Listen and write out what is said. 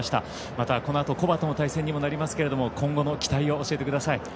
また、このあと古馬との対戦にもなりますけども今後の期待を教えてください。